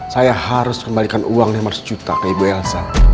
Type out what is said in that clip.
saya harus kembalikan uangnya emang sejuta ke ibu elsa